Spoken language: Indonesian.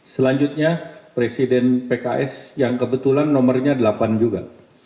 selanjutnya presiden pks yang kebetulan nomornya delapan juga